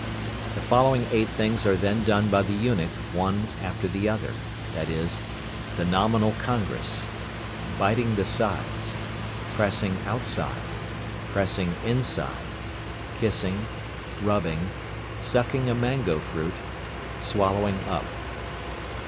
The following eight things are then done by the eunuch one after the other, viz. The nominal congress. Biting the sides. Pressing outside. Pressing inside. Kissing. Rubbing. Sucking a mangoe fruit. Swallowing up.